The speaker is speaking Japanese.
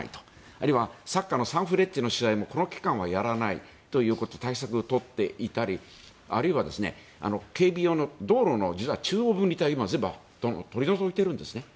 あるいはサッカーのサンフレッチェの試合もこの期間はやらないという対策を取っていたりあるいは警備用の道路の中央分離帯を今、全部取り除いているんですね。